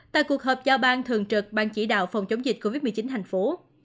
tại cuộc họp giao bang thường trực bang chỉ đạo phòng chống dịch covid một mươi chín tp hcm